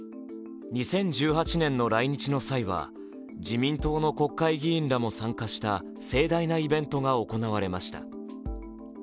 ２０１８年の来日の際は自民党の国会議員らも参加した盛大なイベントが行われました。